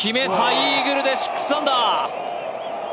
イーグルで６アンダー。